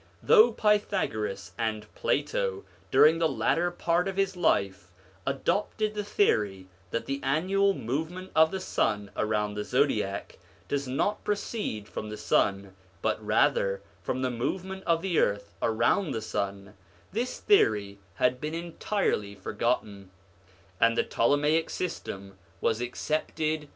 Though Pythagoras, and Plato during the latter part of his life, adopted the theory that the annual movement of the sun around the zodiac does not proceed from the sun, but rather from the movement of the earth around the sun; this theory had been entirely forgotten, and the Ptolemaic system was accepted by all mathe maticians.